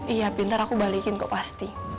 iya tapi ntar aku balikin kok pasti